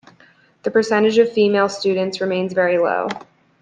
The percentage of female students remains very low.